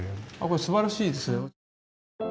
これすばらしいですよ。